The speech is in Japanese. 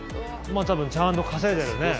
多分ちゃんと稼いでるねえ。